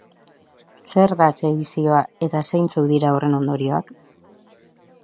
Zer da sedizioa eta zeintzuk dira horren ondorioak?